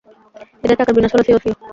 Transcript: এদের চাকার বিন্যাস হলো সিও-সিও।